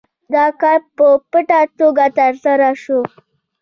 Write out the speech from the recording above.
دا کار په پټه توګه ترسره شو.